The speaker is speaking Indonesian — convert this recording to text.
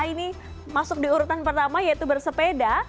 ini masuk di urutan pertama yaitu bersepeda